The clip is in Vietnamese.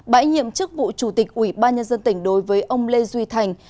bãi nhiệm chức vụ chủ tịch ủy ban nhân dân tỉnh đối với ông lê duy thành